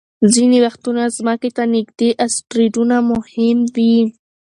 ځینې وختونه ځمکې ته نږدې اسټروېډونه مهم وي.